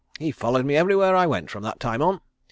He followed me everywhere I went from that time on.